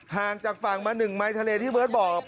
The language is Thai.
ห่างจากฝั่งมาหนึ่งไม้ทะเลที่เบิ้ลบอก